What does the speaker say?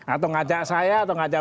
atau ngajak saya atau ngajak